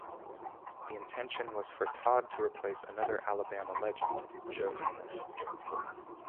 The intention was for Todd to replace another Alabama legend, Joe Namath.